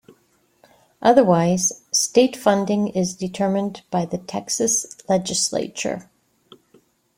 Otherwise, state funding is determined by the Texas Legislature.